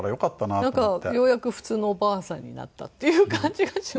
なんかようやく普通のおばあさんになったっていう感じがします。